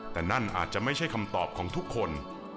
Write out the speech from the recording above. แต่นั่นอาจจะไม่ใช่คำตอบของทุกคน